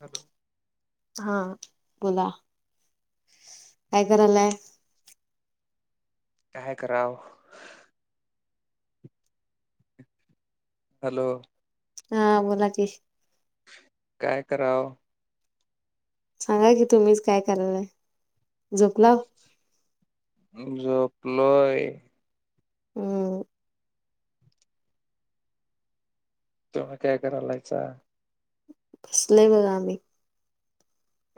Hello हा. बोला. काय स करायलाय? काय करावं? हॅलोव हं. बोलाकी काय करावं? सांगाकी तुम्हीच काय करालायं? झोपलावं. झोपलोय. हम्म्म तुम काय करालायचा? बसलोय बघा आम्ही.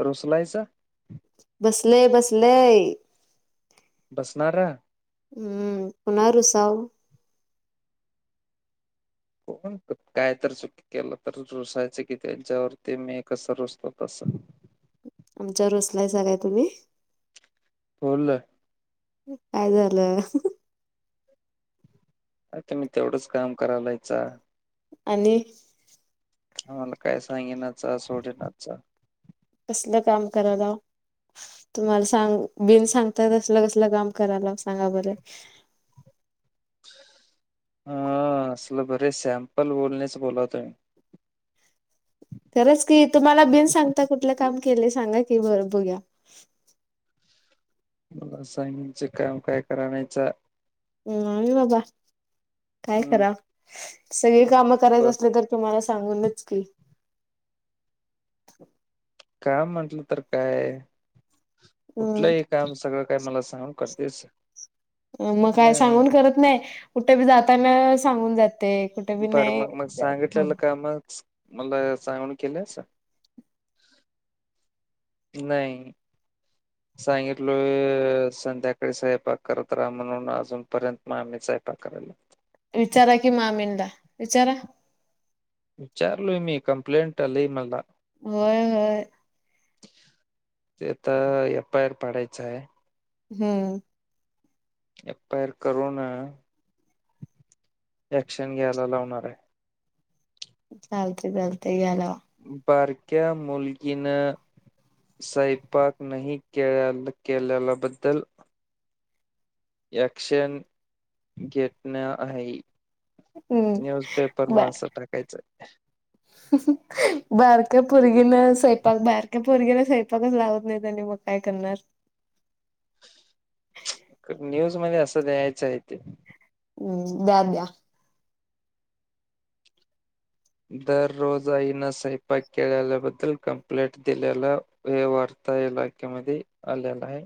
रुसलायसा? बसलयं बसलयं. बसणारा? हम्म पुन्हा रुसाव. [unintelligible] केलं तर रुसायचं की त्यांच्यावरती मी कसं रुसतो तस. च्यावर रुसलायसा काय तुम्ही? [unintelligible] काय झाल? आता मी तेवढंच काम करालायचा आणि? आम्हाला काय सांगिनाचं, सोडेनाचं कसलं काम करालावं? तुम्हाला सांगू बिन सांगता कसल कसलं काम कारालावं सांगा बर? हं असलं बरे सॅम्पल बोलण्याचं बोलतोय. खरंच की तुम्हाला बिन सांगता कूटल काम केलंय? सांगा की बगुया. [unintelligible] नाही बाबा काय हम्म करावं? सगळी कामं करायचं बर असलं तर तुम्हाला सांगूनच की काम म्हणटलं तर कायं हम्म कुठलंही काम सगळं काय मला सांग करतेसं मग काय सांगून करत नाय कुठे बी जातान सांगून जा बर मग मग सांगितलेलं कामचं मला सांगून केलंस? नाही सांगितलोय संध्या सयपाक करत रहा म्हणून अजूनपर्यंत मामीच सयपाक कराल्या. विचारा की मामींदा विचारा. विचारलोय मी कम्प्लेंट आली मला. होयं होयं. ते तर एप आयर पाडायचाय. हम्म्म. एपायर करुना ॲक्शन घ्यायला लावणाराय. चालतंय चालतंय या लावा. बारक्या मुलगीन सयपाक नही केळयाल केल्यालबद्दल ॲक्शन घेटन्या आहे. हम्म न्यूजपेपरला बा असं टाकायचं हं. बारक्या पोरगी न स्वयंपाक पोरगीला स्वयंपाकच लावत नाही त्यांनी मग काय करणार. न्यूज मध्ये असं द्यायचं आहे ते. हम्ं द्या द्या दररोज आईना स्वयंपाक केलेल्याबद्दल कंप्लेंट दिलेल. हे वार्ता हेलाक्या मधी आलेलं आहे.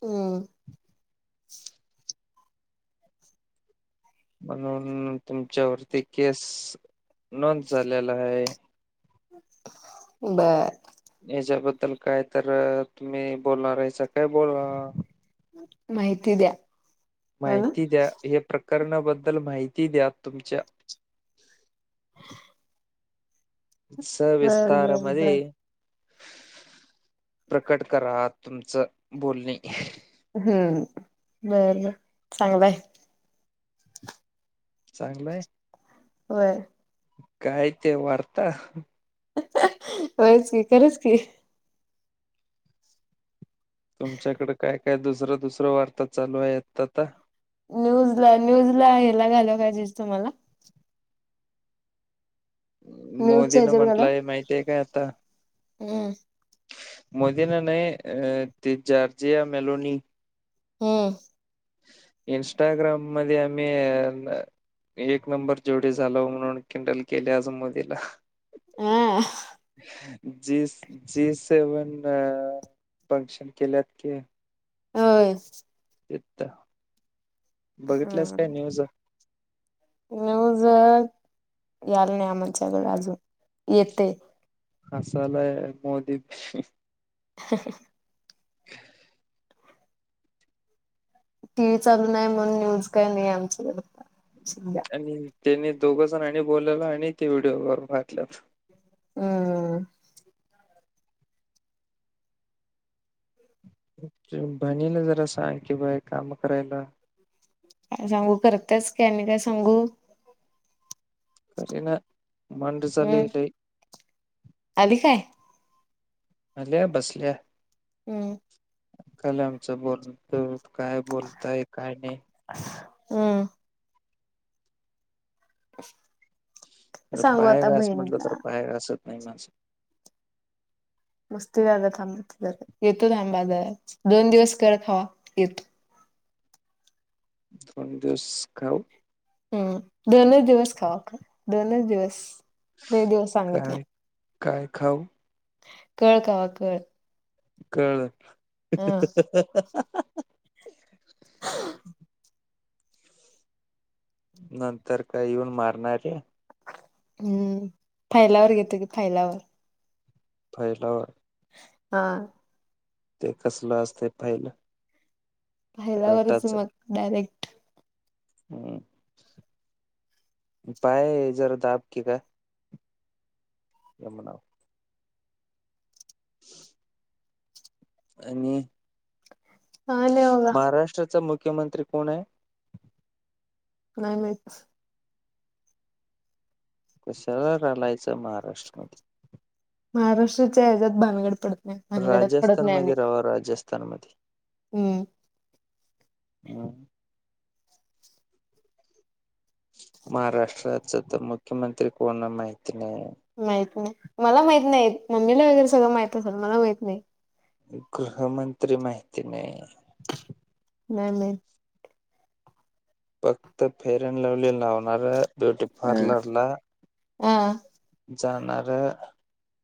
हो म्हणून तुमच्या वरती केस नोंद झालेला हाय. बर! यांच्याबद्दल काय तर तुम्ही बोलणार आहेसा काय बोला. माहिती द्या. ह ना माहिती द्या हे प्रकरणा बद्दल माहिती द्या तुमच्या. बर बर बर सविस्तारमध्ये प्रकट करा तुमचं बोलणे. हम्ं बर चांगलाय. चांगलंय! होयं. काय ते वार्ता? अ हं होयच की खरंच की. तुमच्याकडं काय काय दुसर दुसर वार्ता चालू आहे आता आता. न्यूजला न्यूजला येला घालाय पाहिजेस का तुम्हाला. मोदी न म्हणटलंय माहितीय काय आता? मोदी न नाय अ ते जॉर्जिया मेलोनी हम्ं! इन्स्टाग्राम मध्ये आम्ही एक नंबर जोडी झालो म्हणून किंडल केली आज मोदीला. आ! जी जी सेवन फंक्शन केल्यात की होय. तिथं बघितल्यास हम्म काय न्यूज. न्यूज येत याल नाही आमच्याकडे अजून येतय. हसालाय मोदी. [inaudible] [inaudible] टी व्ही चालू नाही म्हणून न्यूज काही आमच्याकडं आता सध्या. आणि त्यांनी दोघ जणांनी बोलवलं आणि तेवढ वर हम्ं! बहिणीला जरा सांग की बाय काम करायला. सांगू करतीयाच आणि काय सांगू? तसे नाय मंडे चा लय हम्म येतंय [unintelligible] आली काय? आल्या बसल्या. हम्ं! कलमच बोलत काय बोलता काय नाही हम्ं! [inaudible] सांगू पाय आता घास म्हटलं तर बहीणला पाय घासत नाही माझं. मस्त येत जरा थांबा दोन दिवस कड खावा. दोन दिवस का ओ? हम्म दोनच दिवस खावा काय दोनच दिवस लय दिवस सांगत नाय. काय काय खव? काय कवा तर [unintelligible] कळल? ह. नंतर काय येऊन मारणारय? हम्म फायलावर घेतो की फायला फैलावर. हा ते कसलं असते फाईल पाहिल्यावरच मग डायरेक्ट हम्. पाय जरा दाब की ग. या म्हणाव ह आणि काय नाही बघा महाराष्ट्राचा मुख्यमंत्री कोण आहे? नाही माहिती कशाला रडायचं महाराष्ट्रमध्ये? महाराष्ट्राचे हजात भानगड पड राजस्थान मध्ये रहावा राजस्थान मध्ये. हम्म हम महाराष्ट्राचा तर मुख्यमंत्री कोण आहे माहिती नाहिये. माहित नाही मला माहित नाही मम्मीला वगैरे सगळं माहित असेल मला माहित नाही. गृहमंत्री माहिती नाही नाही माहित. फक्त फेअर अँड लवली लावणार ब्युटी पार्लर ला हा जाणारं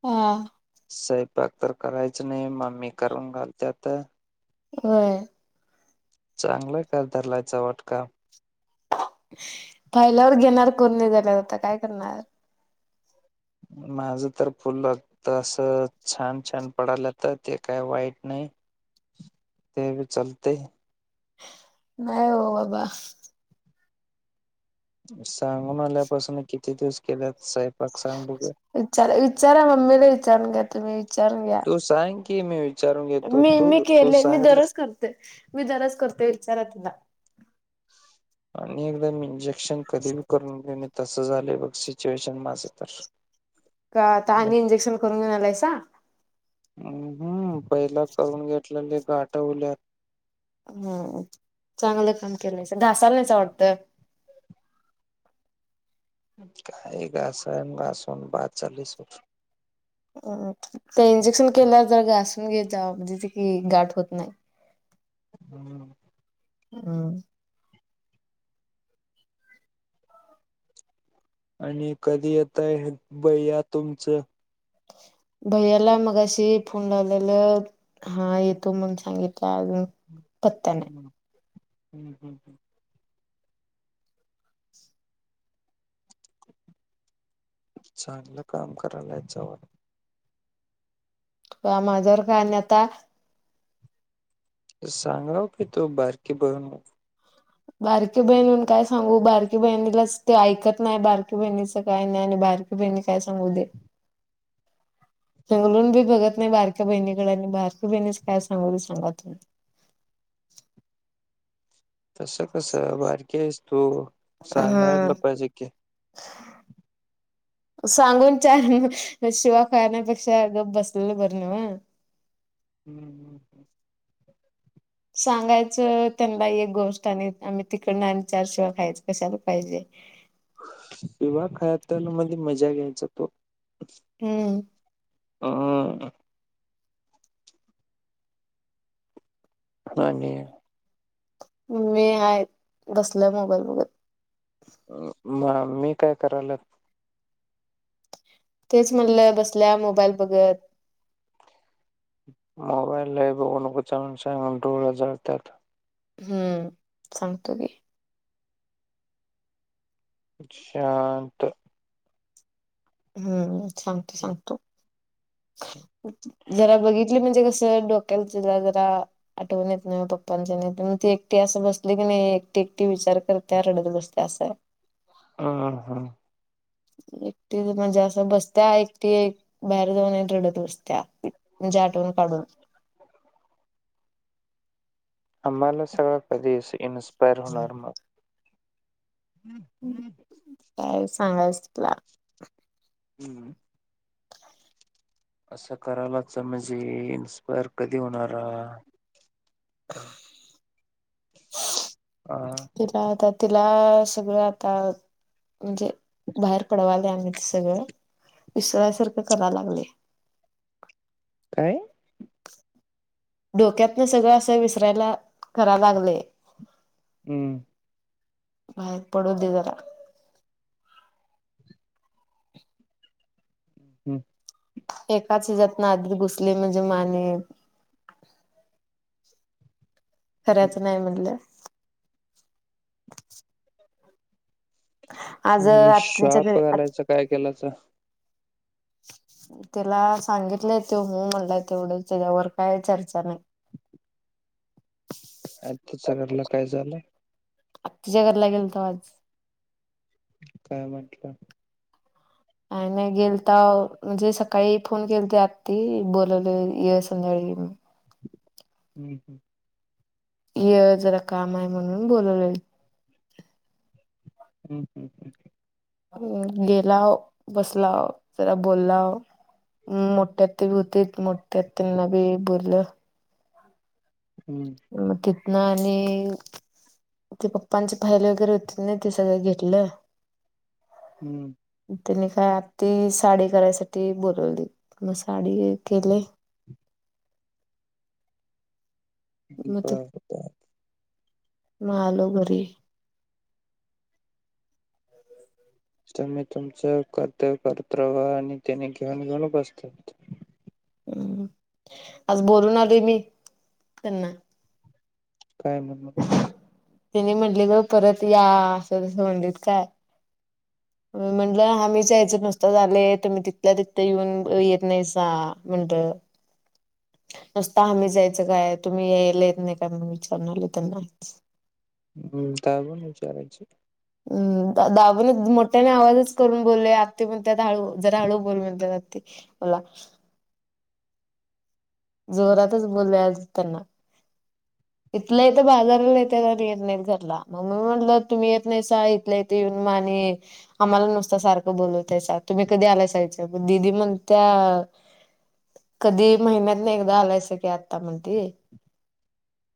ह स्वयंपाक तर करायच नाही मग मम्मी करून घालते आता. होय चांगलंय का धरलायचां वाट का. पाहिल्यावर घेणार कोण नाही झाल्यावर आता काय करणार? माझं तर फुल त असं छान छान पडलं तर ते काय वाईट नाही. ते भी चालतंय. नाही हो बाबा. सांगून आल्यापासून किती दिवस केलेत साहेब? विचार विचारा मम्मीला विचारून घ्या तुम्ही विचारून घ्या. तू सांग की मी विचारून घेतो मी तू मी तू केले मी सांगितलं दररोच करते मी दररोजच करते विचारा तिला. आणि एकदम इंजेक्शन कधी बी करून दे. तसं झालंय बघ सिच्युएशन माझं तर. का आ मग आणि इंजेक्शन करून घऊन आलायसा? हम हम्म पहिला करून घेतलेले गाठवल्यात ह चांगलं काम केलंयास ासाला नाहीच आवडतं. काय घासण घासवून बाद चालीस हो. अ त्या इंजेक्शन केल्या वर घासून घे जावा म्हणजे तिथ गाठ होत नाही. हम्म हम आणि कधी येतय भैया तुमचं? भैयाला मगशी फोन लावलेलं हा येतो म्हणून सांगितला. अजून पत्ता हम् हम्म चांगलं काम करायला येत जावा. माझ्यावर का आणि आता? सांगाव का तो बारकी बरून बारकी बहिणीून काय सांगू? बारकी बहिणीलाच ते ऐकत नाही, बारकी बहिणीच काय नाही आणि बारकी क बईनी काय सांगू दे. हेंगलुन बी बघत नाही बारक्या बहिणीकडे आणि बारकी बहिणीच काय सांगूनली सांगा तुम्ही? तस कसं? बारकी आहेस तू. सांगायला हम्. पाहिजे की सांगून चार शिव्या खाण्यापेक्षा गप बसलेलं बरं न्हवं. [inaudible] सांगायचं त्यांना एक गोष्ट आणि आम्ही तिकडन आणि चारशिवाय खायच कशाला पाहिजे. विवाह खातमध्ये मजा घ्यायचा तो. हम्म हम. [inaudible] मम्मी आहे बसल्या मोबाईल बघत. मामी काय करयाल्यात? तेच म्हणलं बसल्या मोबाईल बघत. मोबाईल लयं बघु नको चालून डोळ जळतात. हम्म! सांगतो की. शांत. हम्म! सांगते सांगतो. जरा बघितली म्हणजे कसं, डोक्याल तिला जरा आठवण येत नाही पप्पांची, नाही म ती एकटी असं बसली की नाही एकटी-एकटी विचार करत्या रडत बसत्या असं. हा हा हा. एकटी म्हणजे असं बस्त्या एकटी बाहेर जाऊन रडत बसत्या, म्हणजे आठवून काढून. आम्हाला सगळ कधी इन्स्पायर होणार मग? हम्म हम् काय सांगायच तुला? हम्म. असं करायलाच म्हणजे, इन्स्पायर कधी होणार हा? तिला आता तिला सगळं आता म्हणजे बाहेर पडवायले आम्ही ते सगळं विसरायसारखं कराय लागले. काय? डोक्यातन सगळं असं विसरायला करा लागले. हम्म. बाहेर पडू दे जरा. ह् हम्म. एकाच हिजातन आधीत घुसले म्हणजे म आणि हम्म खरायचं नाही म्हणलं. [inaudible] आज नि आत्यांच्या घरी श्वाप घालायचं काय केलासा? तिला सांगितलंय ते हो म्हणलंय तेवढं, त्याच्यावर काय चर्चा नाही. [inaudible] आत्तीच्या घरला काय झालं? आ तिच्या घरला गेलतो आज. काय म्हटलं? आणि नाही गेलताव, म्हणजे सकाळी फोन केलती आत्ती बोलवले ये संध्याकाळी. हम्म हम्. ये जरा काम आहे म्हणून बोलवले. हम् हम् हम्. अ गेला बसला. जरा बोलला मोठ्या आत्ती होती मोठ्या आत्ती बी बोललं. हम्म. मग तिथन आणि. ते पप्पांचे फाईल वगैरे होते ना ते सगळं घेतलं. हम्! त्यांनी काय आती साडी करायसाठी बोलावली मग साडी केले. हम्म मग बर बर आलो घरी. तम्ही तुमचं कर्तव्य करत राहा आणि त्याने घेऊन घेऊन बसतात. आज बोलून आलोय मी त्यांना. काय म्हणू त्यानी म्हंणलेल परत या, असं तसं म्हणलित काय? मी म्हटलं हा मीच यायचं नुसतं चालय तुम्ही तिथल्या तिथं येऊन येतं नाहीसं. का म्हणत? नुसतं आम्ही जायचं काय? तुम्ही यायला येत नाही काय? म्हणून विचारून आलो त्यांनाच. हम्म काय मून विचाराची. हम्म दादूने मोठ्याने आवाजच करून बोलले आत्ती पण, त्यात हळू जरा हळू बोल म्हण त्यात आत्ती. बोला. जोरातच बोलले आज त्यांना. इथल्या इथं बाजाराला ये त्या येत नाहीत घरला म मी म्हटलं तुम्ही येत नाही सा इथल्या इथं. ते माने आम्हाला नुस्त सारखं बोलवतयसा, तुम्ही कधी आलायसाच दिदी म्हणत्या अ कधी महिन्यात न एकदा आलायस की आता म्हणती.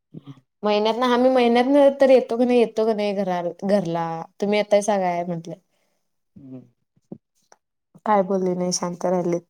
[inaudible] महिन्यातन हाम्हीं महिन्यात न तर येतो क नई येतो क नई घरा घरला, तुम्ही येताय सांगाया म्हटलं. [inaudible] हम्म. काय बोलली नाही शांत राहिलीत.